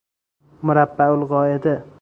مربع القاعده